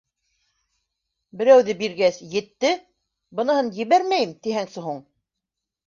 Берәүҙе биргәс, етте, быныһын ебәрмәйем тиһәңсе һуң?